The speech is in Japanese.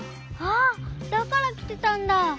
あっだからきてたんだ。